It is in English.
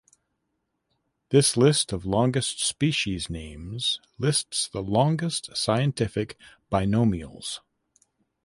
This list of longest species names lists the longest scientific binomials.